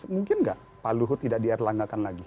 mungkin nggak pak luhut tidak di erlanggakan lagi